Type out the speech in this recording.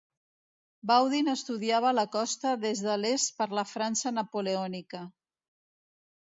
Baudin estudiava la costa des de l'est per la França napoleònica.